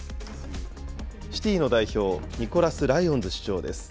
シティの代表、ニコラス・ライオンズ市長です。